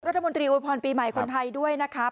รัฐมนตรีโอยพรปีใหม่คนไทยด้วยนะครับ